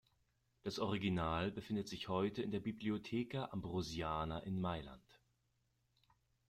Das Original befindet sich heute in der Biblioteca Ambrosiana in Mailand.